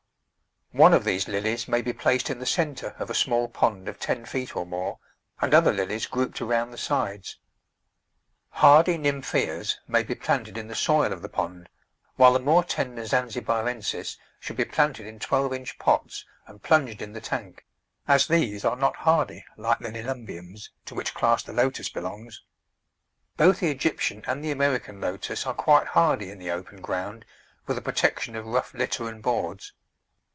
One of these Lilies may be placed in the centre of a small pond of ten feet or more, and other Lilies grouped around the sides. Hardy Nymphaeas may be planted in the soil of the pond, while the more tender Zanzibarenses should be planted in twelve inch pots and plunged in the tank, as these are not hardy like the Nelumbiums, to which class the Lotus belongs. Both the Egyptian and the American Lotus are quite hardy in the open ground with a protection of rough litter and boards.